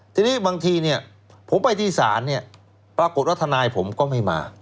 ทีนี้บางทีเนี่ยผมไปที่ศาลเนี่ยปรากฏว่าทนายผมก็ไม่มา